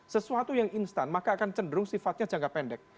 sesuatu yang instan maka akan cenderung sifatnya jangka pendek